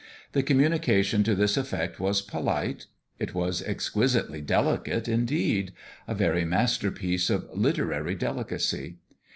The communication to this effect was polite : it was exquisitely delicate, indeed a very masterpiece of literary delicacy.